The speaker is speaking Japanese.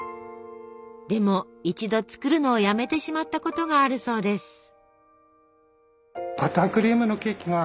でも一度作るのをやめてしまったことがあるそうです。